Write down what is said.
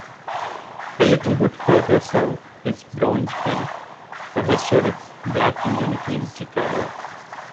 A little bit further south is Bronzeville, a historic black community in Chicago.